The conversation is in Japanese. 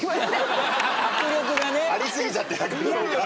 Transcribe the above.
あり過ぎちゃって迫力が。